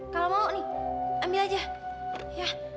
kalau mau nih ambil aja ya